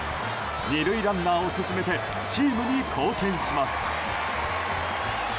２塁ランナーを進めてチームに貢献します。